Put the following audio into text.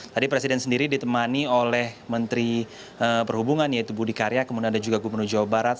tadi presiden sendiri ditemani oleh menteri perhubungan yaitu budi karya kemudian ada juga gubernur jawa barat